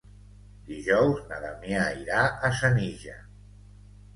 Dijous na Damià irà a Senija.